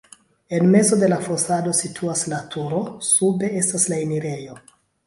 En mezo de la fasado situas la turo, sube estas la enirejo.